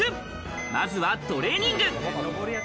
まずはトレーニング。